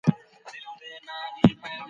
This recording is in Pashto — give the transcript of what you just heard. اقتصادي پرمختياوو د خلګو ورځنی ژوند بدل کړی دی.